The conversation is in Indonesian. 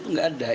itu nggak ada